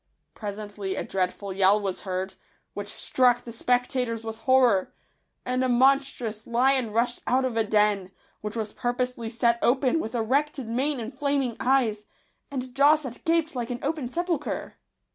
Presently a dreadful yell was heard, which struck the spectators with horror ; and a monstrous lion rushed out of a den, which was purposely set open, with erected mane and flaming eyes, and jaws that gaped .like an open sepulchre.